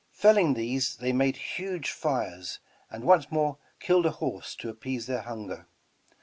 Felling these, they made huge fires and once more killed a horse to appease their hunger.